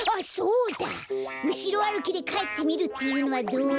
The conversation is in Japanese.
うしろあるきでかえってみるっていうのはどう？